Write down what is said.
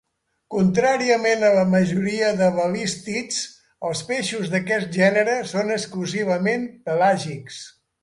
Contràriament a la majoria dels balístids, els peixos d'aquest gènere són exclusivament pelàgics.